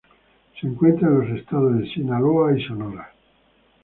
Se encuentra en los estados de Sinaloa y Sonora.